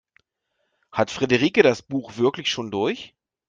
Hat Friederike das Buch wirklich schon durch?